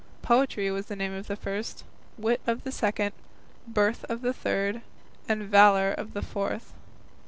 "Poetry" was the name of the first, "Wit" of the second, "Birth" of the third, and "Valour" of the fourth.